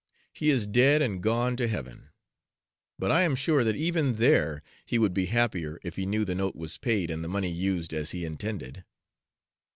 he is dead and gone to heaven; but I am sure that even there he would be happier if he knew the note was paid and the money used as he intended.